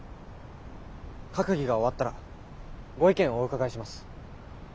閣議が終わったらご意見をお伺いします。